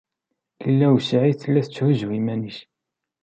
Lila u Saɛid tella tetthuzzu iman-nnes.